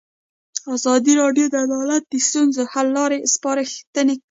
ازادي راډیو د عدالت د ستونزو حل لارې سپارښتنې کړي.